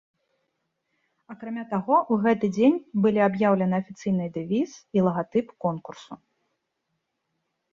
Акрамя таго ў гэты дзень былі аб'яўлены афіцыйныя дэвіз і лагатып конкурсу.